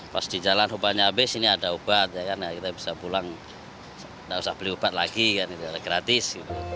pas di jalan obatnya habis ini ada obat kita bisa pulang gak usah beli obat lagi gratis